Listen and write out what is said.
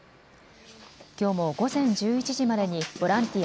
きょうも午前１１時までにボランティア